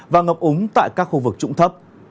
và ngập úng tại các khu vực trụng thấp